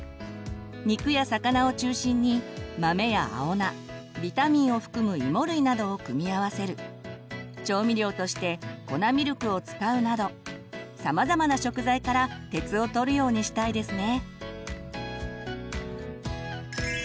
肉や魚を中心に豆や青菜ビタミンを含むいも類などを組み合わせる調味料として粉ミルクを使うなどさまざまな食材から鉄をとるようにしたいですね。